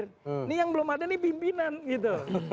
ini yang belum ada nih pimpinan gitu